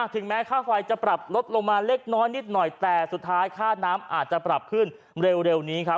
ถึงแม้ค่าไฟจะปรับลดลงมาเล็กน้อยนิดหน่อยแต่สุดท้ายค่าน้ำอาจจะปรับขึ้นเร็วนี้ครับ